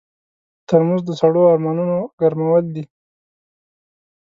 ترموز د سړو ارمانونو ګرمول دي.